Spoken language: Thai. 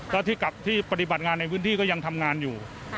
และที่ปฏิบัติงานในพื้นที่ก็ยังทำงานอยู่